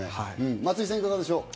松井さん、いかがですか？